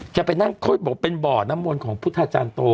แค่ไปนั่งก้ไปบอกเป็นบ่อน้ำมนต์ของพุทธาจารย์โต